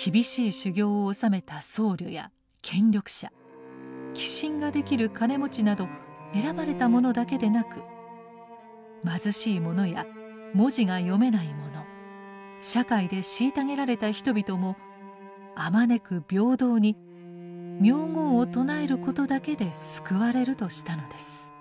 厳しい修行をおさめた僧侶や権力者寄進ができる金持ちなど選ばれた者だけでなく貧しい者や文字が読めない者社会で虐げられた人々もあまねく平等に名号を称えることだけで救われるとしたのです。